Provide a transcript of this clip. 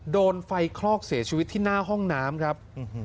โดนไฟคลอกเสียชีวิตที่หน้าห้องน้ำครับ